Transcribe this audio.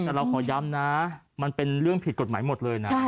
แต่เราขอย้ำนะมันเป็นเรื่องผิดกฎหมายหมดเลยนะ